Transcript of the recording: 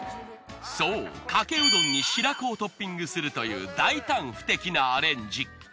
そうかけうどんに白子をトッピングするという大胆不敵なアレンジ。